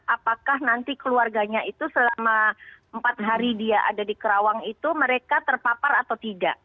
apakah nanti keluarganya itu selama empat hari dia ada di kerawang itu mereka terpapar atau tidak